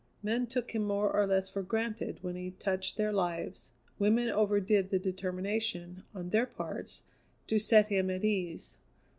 Men took him more or less for granted when he touched their lives; women overdid the determination, on their parts, to set him at ease.